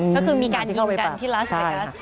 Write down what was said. ก็คือมีการยิงกันที่ลาสเวกัส